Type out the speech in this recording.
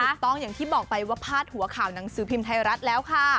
ถูกต้องอย่างที่บอกไปว่าพาดหัวข่าวหนังสือพิมพ์ไทยรัฐแล้วค่ะ